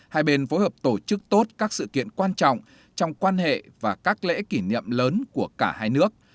hai bên phối hợp tổ chức tốt các sự kiện quan trọng trong quan hệ và các lễ kỷ niệm lớn của cả hai nước